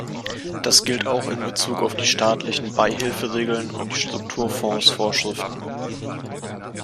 Das gilt auch in Bezug auf die staatlichen Beihilferegeln und die Strukturfonds-Vorschriften.